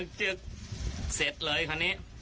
คุณผู้ชมเอ็นดูท่านอ่ะ